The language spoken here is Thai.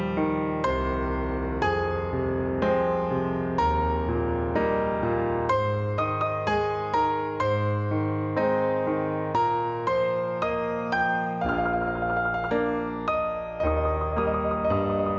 โปรดติดตามตอนต่อไป